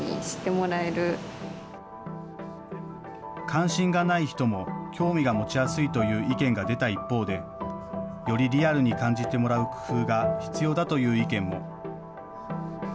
関心がない人も興味が持ちやすいという意見が出た一方で、よりリアルに感じてもらう工夫が必要だという意見も。